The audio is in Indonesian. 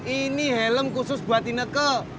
ini helm khusus buat inekel